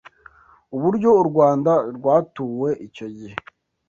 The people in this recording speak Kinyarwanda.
uburyo u Rwanda rwatuwe icyo gihe